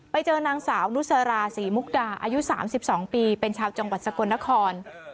ไปเจอนางสาวนุสราศรีมุกดาอายุ๓๒ปีเป็นชาวจังหวัดสกลนคร